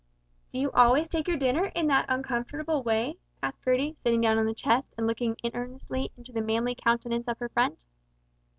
"Do you always take your dinner in that uncomfortable way?" asked Gertie, sitting down on the chest and looking earnestly into the manly countenance of her friend.